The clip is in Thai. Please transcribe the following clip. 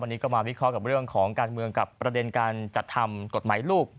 วันนี้ก็มาวิเคราะห์กับเรื่องของการเมืองกับประเด็นการจัดทำกฎหมายลูก